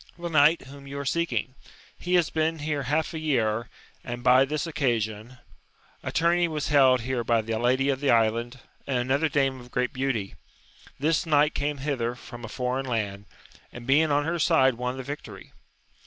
— The knight whom you are seeking; he has been here half a year, and by this occasion : a tumey was held here by the lady of the island, and another dame of great beauty ; this knight came hither from a foreign land, and being on her side won the victory.